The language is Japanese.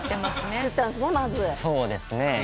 そうですね。